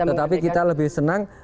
tetapi kita lebih senang